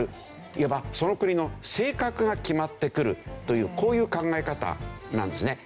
いわばその国の性格が決まってくるというこういう考え方なんですね。